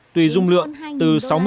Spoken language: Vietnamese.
tùy dung lượng từ sáu mươi bốn gb